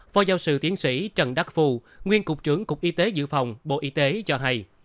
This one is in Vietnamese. phó giáo sư tiến sĩ trần đắc phu nguyên cục trưởng cục y tế dự phòng bộ y tế cho hay